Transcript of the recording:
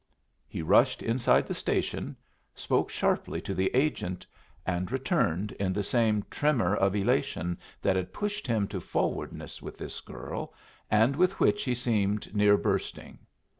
He rushed inside the station, spoke sharply to the agent, and returned in the same tremor of elation that had pushed him to forwardness with his girl, and with which he seemed near bursting.